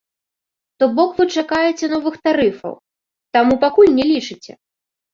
То бок вы чакаеце новых тарыфаў, таму пакуль не лічыце?